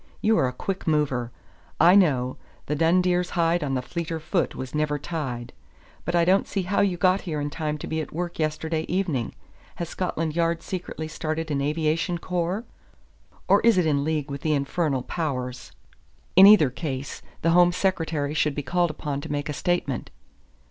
You are a quick mover, I know; the dun deer's hide on fleeter foot was never tied; but I don't see how you got here in time to be at work yesterday evening. Has Scotland Yard secretly started an aviation corps? Or is it in league with the infernal powers? In either case the Home Secretary should be called upon to make a statement."